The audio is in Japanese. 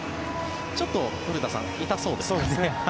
ちょっと、古田さん痛そうですね。